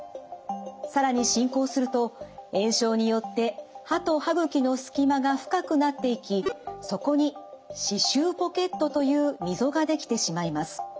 更に進行すると炎症によって歯と歯ぐきのすき間が深くなっていきそこに歯周ポケットという溝が出来てしまいます。